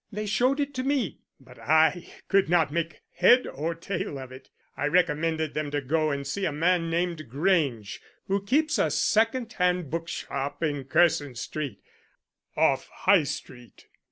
They showed it to me, but I could not make head or tail of it. I recommended them to go and see a man named Grange who keeps a second hand book shop in Curzon Street, off High Street.